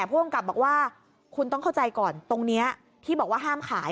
ผู้กำกับบอกว่าคุณต้องเข้าใจก่อนตรงนี้ที่บอกว่าห้ามขาย